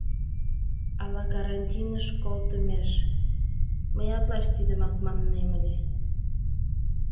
Ала карантиныш колтымеш— Мыят лач тидымак маннем ыле.